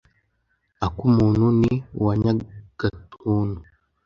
Akumuntu ni uwa Nyagatuntu